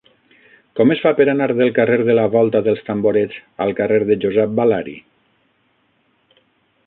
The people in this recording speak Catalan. Com es fa per anar del carrer de la Volta dels Tamborets al carrer de Josep Balari?